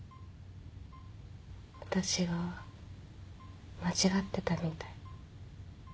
私が間違ってたみたい。